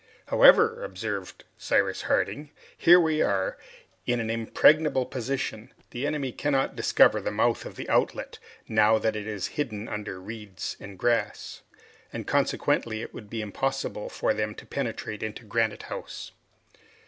"However," observed Cyrus Harding, "here we are in an impregnable position. The enemy cannot discover the mouth of the outlet, now that it is hidden under reeds and grass, and consequently it would be impossible for them to penetrate into Granite House."